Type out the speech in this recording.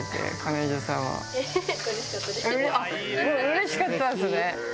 うれしかったんすね？